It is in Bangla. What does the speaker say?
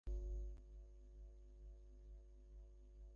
হারামিটা গাড়িতে বসে অপেক্ষা করতো।